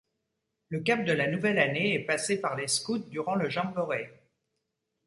Le cap de la nouvelle année est passé par les scouts durant le jamboree.